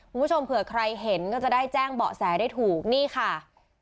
คุณผู้ชมเผื่อใครเห็นก็จะได้แจ้งเบาะแสได้ถูกนี่ค่ะ